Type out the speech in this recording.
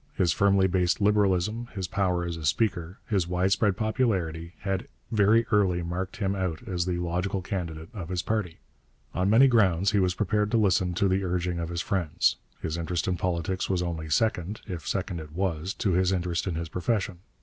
His firmly based Liberalism, his power as a speaker, his widespread popularity, had very early marked him out as the logical candidate of his party. On many grounds he was prepared to listen to the urging of his friends. His interest in politics was only second, if second it was, to his interest in his profession.